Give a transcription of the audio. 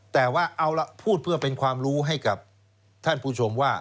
แต่ว่าเอาละพูดเพื่อเป็นความรู้ให้กับท่านผู้ชมว่า